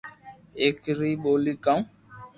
ايڪ ري ٻولي ڪاو